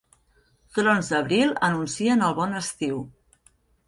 Trons d'abril anuncien el bon estiu.